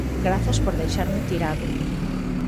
Grazas por deixarme tirado.